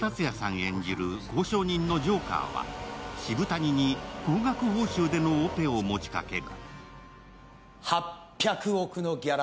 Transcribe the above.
演じる交渉人のジョーカーは渋谷に高額報酬でのオペを持ちかける。